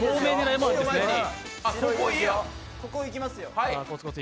ここ行きますよ。